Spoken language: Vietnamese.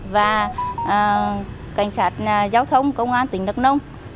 và cảnh sát giao thông công an tỉnh đắk nông